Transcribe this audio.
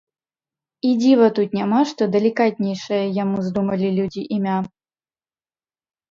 І дзіва тут няма, што далікатнейшае яму здумалі людзі імя.